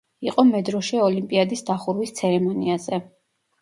იყო მედროშე ოლიმპიადის დახურვის ცერემონიაზე.